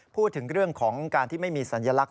พูดถึงเรื่องของการที่ไม่มีสัญลักษ